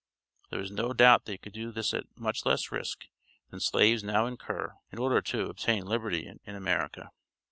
"There is no doubt they could do this at much less risk than slaves now incur, in order to obtain liberty in America."